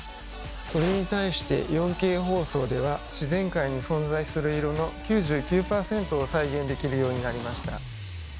それに対して４Ｋ放送では自然界に存在する色の９９％を再現できるようになりました。